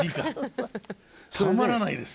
たまらないです。